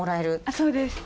そうです。